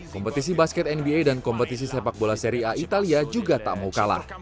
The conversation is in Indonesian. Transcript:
kompetisi basket nba dan kompetisi sepak bola seri a italia juga tak mau kalah